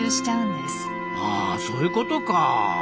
あそういうことか。